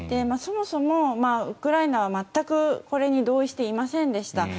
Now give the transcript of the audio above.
そもそもウクライナは全くこれに同意していませんでした。